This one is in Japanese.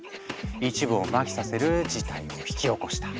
一部をマヒさせる事態を引き起こした。